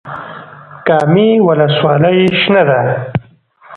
کامې ولسوالۍ شنه ده؟